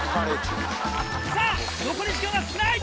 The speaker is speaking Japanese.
さぁ残り時間は少ない！